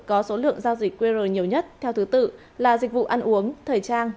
có số lượng giao dịch qr nhiều nhất theo thứ tự là dịch vụ ăn uống thời trang